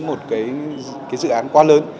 một cái dự án quá lớn